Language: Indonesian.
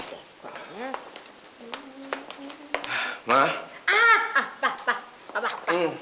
pak pak pak